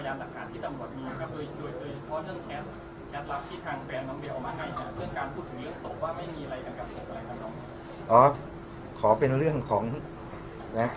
โดยโดยเพราะเรื่องแชทแชทลับที่ทางแฟนดำเบลมาไหนฮะเรื่องการพูดถึงเรื่องศพว่าไม่มีอะไรกับผมอะไรกับน้อง